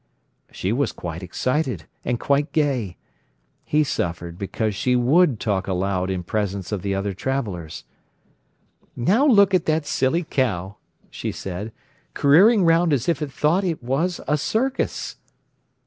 She was quite excited, and quite gay. He suffered because she would talk aloud in presence of the other travellers. "Now look at that silly cow!" she said, "careering round as if it thought it was a circus."